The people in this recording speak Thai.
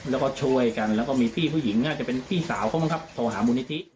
แล้วก็ช่วยกันแล้วก็มีพี่ผู้หญิงก็จะเป็นพี่สาวของมันครับ